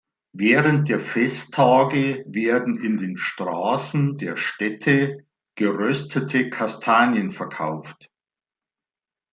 Während der Festtage werden in den Straßen der Städte geröstete Kastanien verkauft.